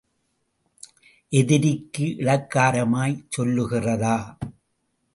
எதிரிக்கு இளக்காரமாய்ச் சொல்லுகிறதா?